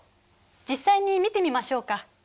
実際に見てみましょうか。